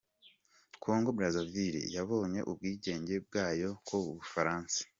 Kongo Brazzaville yabonye ubwigenge bwayo ku bufaransa.